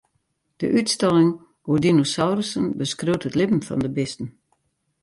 De útstalling oer dinosaurussen beskriuwt it libben fan de bisten.